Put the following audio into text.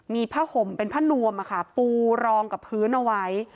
มีผ้าห่มเป็นผ้านวมปูรองกับพื้นเอาไว้